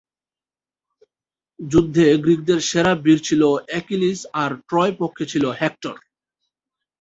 যুদ্ধ এ গ্রীকদের সেরা বীর ছিল অ্যাকিলিস আর ট্রয় পক্ষে ছিল হেক্টর।